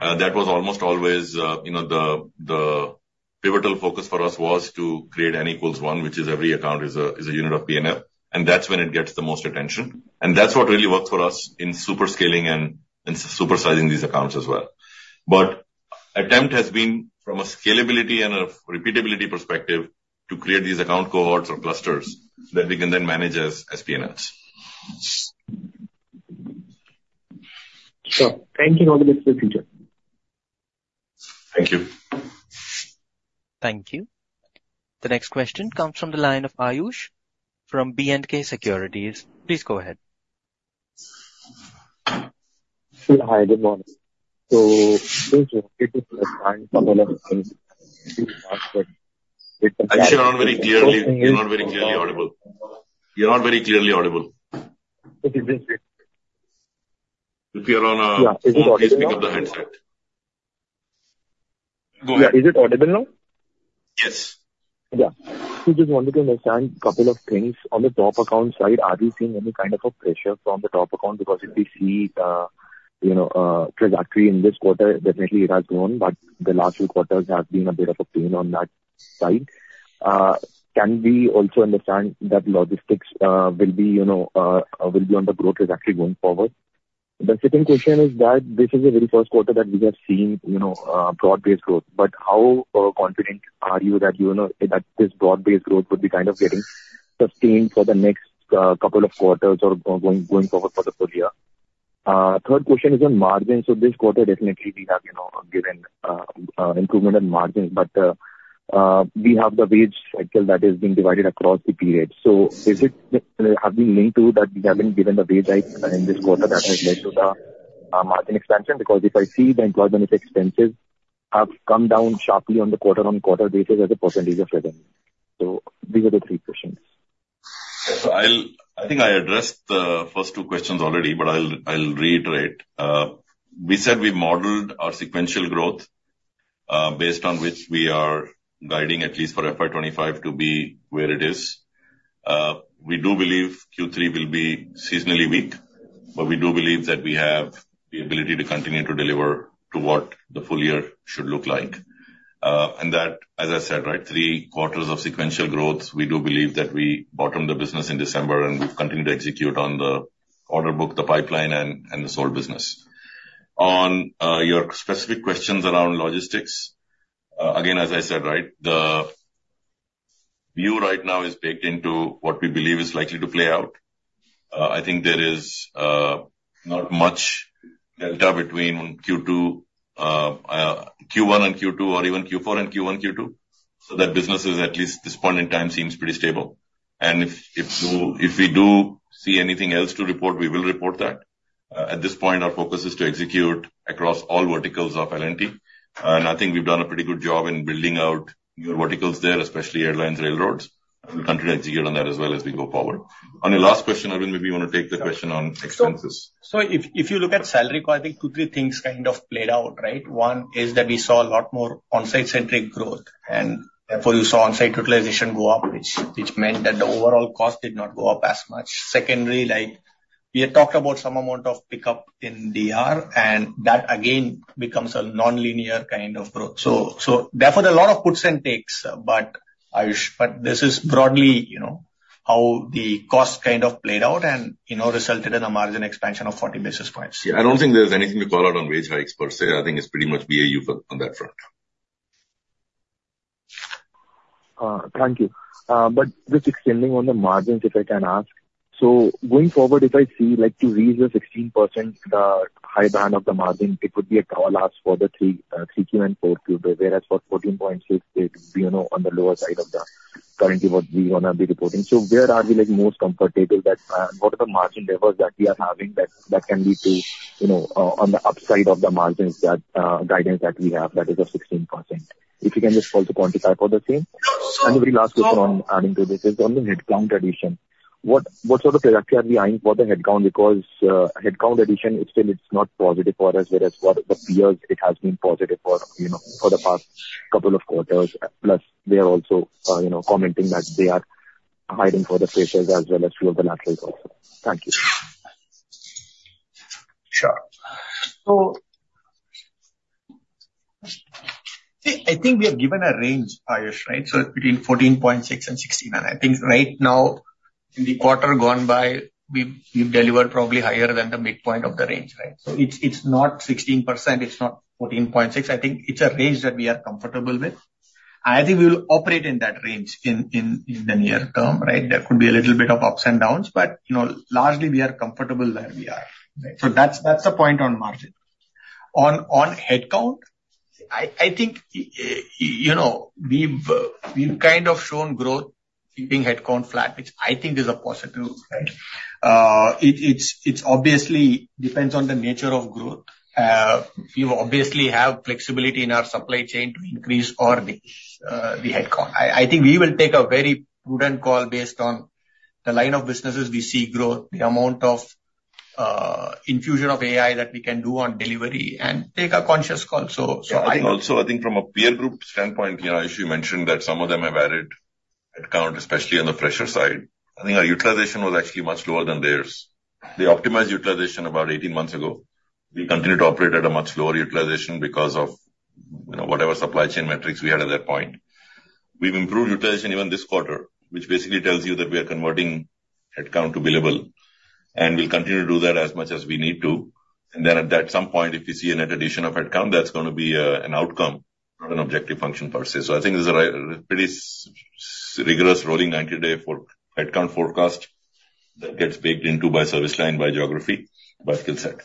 That was almost always, you know, the pivotal focus for us was to create n equals one, which is every account is a unit of P&L, and that's when it gets the most attention. And that's what really worked for us in super scaling and supersizing these accounts as well. But... attempt has been from a scalability and a repeatability perspective to create these account cohorts or clusters that we can then manage as P&Ls. Sure. Thank you. Now we look to the future. Thank you. Thank you. The next question comes from the line of Ayush from B&K Securities. Please go ahead. Hi, good morning. Actually, you're not very clearly audible. If you're on a- Yeah. Please pick up the handset. Go ahead. Yeah. Is it audible now? Yes. Yeah. We just wanted to understand a couple of things. On the top account side, are we seeing any kind of a pressure from the top account? Because if we see the, you know, trajectory in this quarter, definitely it has grown, but the last few quarters have been a bit of a pain on that side. Can we also understand that logistics will be, you know, will be on the growth trajectory going forward? The second question is that this is the very first quarter that we have seen, you know, broad-based growth, but how confident are you that, you know, that this broad-based growth would be kind of getting sustained for the next, couple of quarters or going forward for the full year? Third question is on margins. So this quarter, definitely we have, you know, given improvement in margins, but we have the wage cycle that is being divided across the period. So is it have we linked to that we haven't given the wage hike in this quarter that has led to the margin expansion? Because if I see, the employment expenses have come down sharply on the quarter-on-quarter basis as a percentage of revenue. So these are the three questions. So I'll... I think I addressed the first two questions already, but I'll reiterate. We said we modeled our sequential growth based on which we are guiding at least for FY twenty-five to be where it is. We do believe Q3 will be seasonally weak, but we do believe that we have the ability to continue to deliver to what the full year should look like. And that, as I said, right, three quarters of sequential growth, we do believe that we bottomed the business in December, and we've continued to execute on the order book, the pipeline, and the deal business. On your specific questions around logistics, again, as I said, right, the view right now is baked into what we believe is likely to play out. I think there is not much delta between Q2, Q1 and Q2 or even Q4 and Q1, Q2. So that business is at least this point in time, seems pretty stable. And if we do see anything else to report, we will report that. At this point, our focus is to execute across all verticals of L&T, and I think we've done a pretty good job in building out new verticals there, especially airlines, railroads. We'll continue to execute on that as well as we go forward. On your last question, Aravind, maybe you want to take the question on expenses. So if you look at salary, I think two, three things kind of played out, right? One is that we saw a lot more on-site-centric growth, and therefore, you saw on-site utilization go up, which meant that the overall cost did not go up as much. Secondly, like, we had talked about some amount of pickup in DR, and that again becomes a nonlinear kind of growth. So therefore, there are a lot of puts and takes, but Ayush, this is broadly, you know, how the cost kind of played out and, you know, resulted in a margin expansion of forty basis points. Yeah. I don't think there's anything to call out on wage hikes per se. I think it's pretty much BAU for on that front. Thank you. But just extending on the margins, if I can ask. So going forward, if I see, like, to reach the 16% high band of the margin, it would be a cover last for the 3Q and 4Q, whereas for 14.6%, it would be, you know, on the lower side of the currently what we wanna be reporting. So where are we, like, most comfortable that what are the margin levels that we are having that that can lead to, you know, on the upside of the margins, that guidance that we have, that is a 16%? If you can just also quantify for the same. And the very last question on adding to this is on the headcount addition. What sort of trajectory are we eyeing for the headcount? Because, headcount addition, it's still, it's not positive for us, whereas for the peers, it has been positive for, you know, for the past couple of quarters. Plus, they are also, you know, commenting that they are hiring for the freshers as well as few of the laterals also. Thank you. Sure. So, see, I think we have given a range, Ayush, right? So between 14.6% and 16%, and I think right now, in the quarter gone by, we've delivered probably higher than the midpoint of the range, right? So it's not 16%, it's not 14.6%. I think it's a range that we are comfortable with. I think we will operate in that range in the near term, right? There could be a little bit of ups and downs, but you know, largely we are comfortable where we are. Right. So that's the point on margin. On headcount, I think you know, we've kind of shown growth keeping headcount flat, which I think is a positive, right? It obviously depends on the nature of growth. We obviously have flexibility in our supply chain to increase or decrease the headcount. I think we will take a very prudent call based on the line of businesses we see growth, the amount of infusion of AI that we can do on delivery and take a conscious call. Yeah, I think also, I think from a peer group standpoint, you know, Ayush, you mentioned that some of them have added headcount, especially on the fresher side. I think our utilization was actually much lower than theirs. They optimized utilization about eighteen months ago. We continued to operate at a much lower utilization because of, you know, whatever supply chain metrics we had at that point. We've improved utilization even this quarter, which basically tells you that we are converting headcount available, and we'll continue to do that as much as we need to. And then at that some point, if you see a net addition of headcount, that's gonna be an outcome, not an objective function per se. So I think there's a pretty rigorous rolling ninety-day for headcount forecast that gets baked into by service line, by geography, by skill set.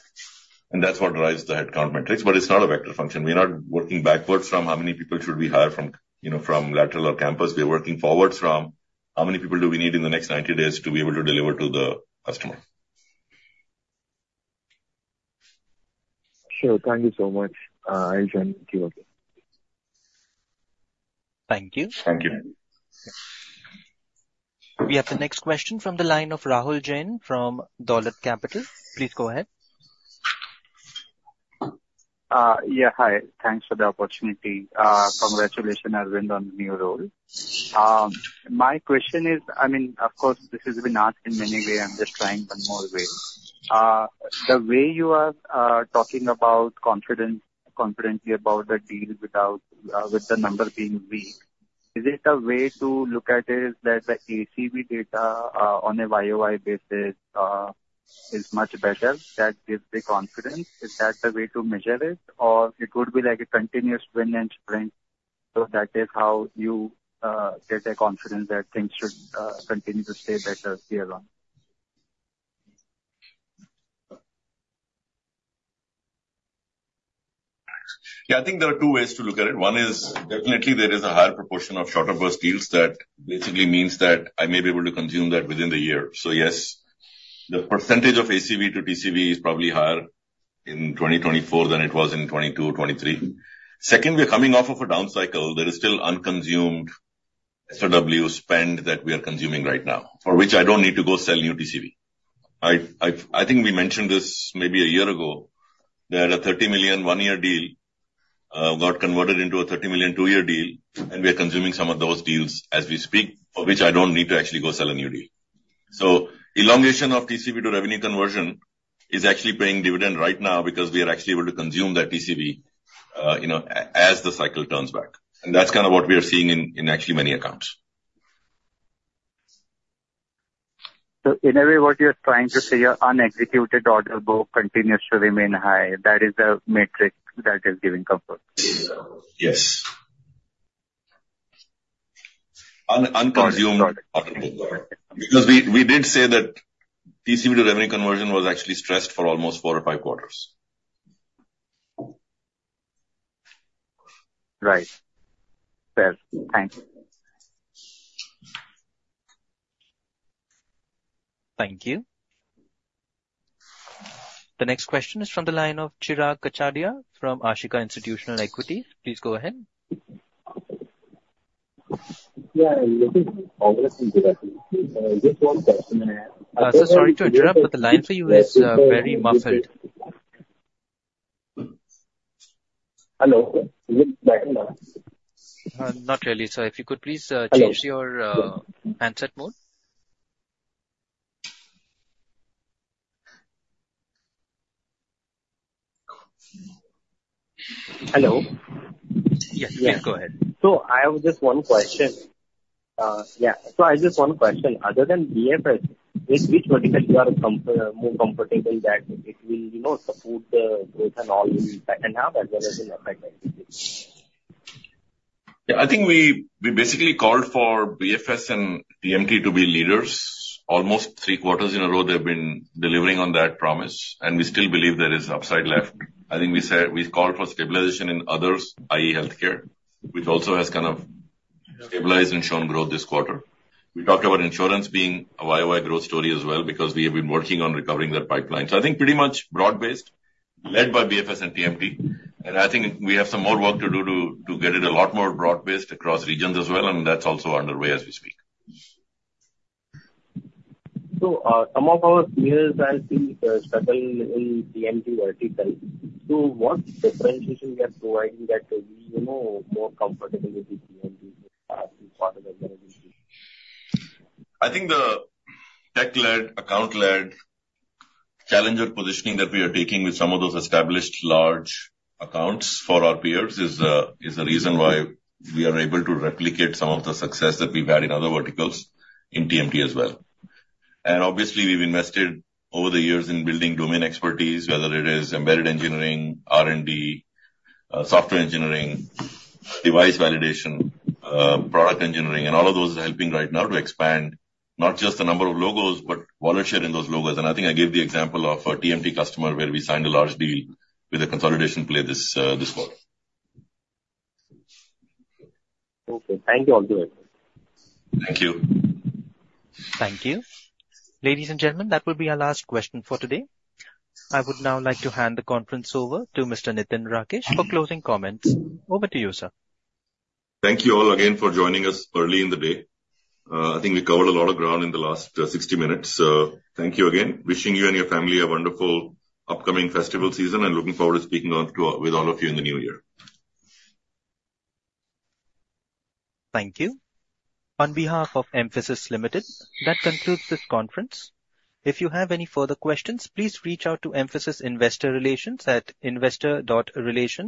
That's what drives the headcount metrics. It's not a vector function. We are not working backwards from how many people should we hire from, you know, from lateral or campus. We are working forwards from how many people do we need in the next ninety days to be able to deliver to the customer? Sure. Thank you so much. I'll join you again. Thank you. Thank you. We have the next question from the line of Rahul Jain from Dolat Capital. Please go ahead. Yeah, hi. Thanks for the opportunity. Congratulations, Aravind, on the new role. My question is, I mean, of course, this has been asked in many way. I'm just trying one more way. The way you are talking about confidence confidently about the deal without, with the number being weak, is it a way to look at it that the ACV data on a YOY basis is much better? That gives the confidence. Is that the way to measure it? Or it would be like a continuous win and sprint, so that is how you get a confidence that things should continue to stay better year on? Yeah, I think there are two ways to look at it. One is, definitely there is a higher proportion of shorter burst deals that basically means that I may be able to consume that within the year. So yes, the percentage of ACV to TCV is probably higher in 2024 than it was in 2022, 2023. Second, we are coming off of a down cycle. There is still unconsumed SOW spend that we are consuming right now, for which I don't need to go sell new TCV. I think we mentioned this maybe a year ago, that a $30 million one-year deal got converted into a $30 million two-year deal, and we are consuming some of those deals as we speak, for which I don't need to actually go sell a new deal. So elongation of TCV to revenue conversion is actually paying dividend right now because we are actually able to consume that TCV, you know, as the cycle turns back. And that's kind of what we are seeing in actually many accounts. So in a way, what you're trying to say, your unexecuted order book continues to remain high. That is the metric that is giving comfort? Yes. Un-unconsumed. Got it. Because we did say that TCV to revenue conversion was actually stressed for almost four or five quarters. Right. Fair. Thank you. Thank you. The next question is from the line of Chirag Kachhadiya from Ashika Institutional Equities. Please go ahead. Yeah, Sir, sorry to interrupt, but the line for you is very muffled. Hello, is it better now? Not really, sir. If you could please, Hello. Change your handset mode. Hello? Yes, yeah, go ahead. I have just one question. Other than BFS, which vertical you are more comfortable that it will, you know, support the growth and all in the second half as well as in effect next year? Yeah, I think we basically called for BFS and TMT to be leaders. Almost three quarters in a row, they've been delivering on that promise, and we still believe there is upside left. I think we said, we've called for stabilization in others, i.e., healthcare, which also has kind of stabilized and shown growth this quarter. We talked about insurance being a YOY growth story as well, because we have been working on recovering that pipeline. So I think pretty much broad-based, led by BFS and TMT, and I think we have some more work to do to get it a lot more broad-based across regions as well, and that's also underway as we speak. Some of our peers are struggling in TMT vertical. What differentiation we are providing that we know more comfortable with the TMT part of the business? I think the tech-led, account-led challenger positioning that we are taking with some of those established large accounts for our peers is the reason why we are able to replicate some of the success that we've had in other verticals in TMT as well. And obviously, we've invested over the years in building domain expertise, whether it is embedded engineering, R&D, software engineering, device validation, product engineering, and all of those are helping right now to expand not just the number of logos, but volume share in those logos. And I think I gave the example of a TMT customer where we signed a large deal with a consolidation play this this quarter. Okay. Thank you all the way. Thank you. Thank you. Ladies and gentlemen, that will be our last question for today. I would now like to hand the conference over to Mr. Nitin Rakesh for closing comments. Over to you, sir. Thank you all again for joining us early in the day. I think we covered a lot of ground in the last 60 minutes. So thank you again. Wishing you and your family a wonderful upcoming festival season, and looking forward to speaking with all of you in the new year. Thank you. On behalf of Mphasis Limited, that concludes this conference. If you have any further questions, please reach out to Mphasis Investor Relations at investor.relation.